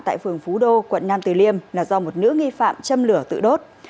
tại phường phú đô quận nam từ liêm là do một nữ nghi phạm châm lửa tự đốt